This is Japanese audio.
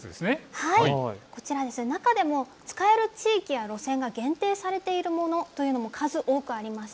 こちら、中でも使える地域や路線が限定されているものが数多くあります。